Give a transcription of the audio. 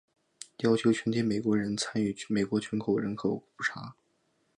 要求全体美国人参与美国全国人口普查。